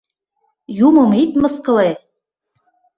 — Юмым ит мыскыле.